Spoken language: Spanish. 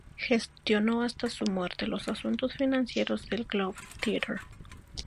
Gestionó hasta su muerte los asuntos financieros del "Globe Theatre".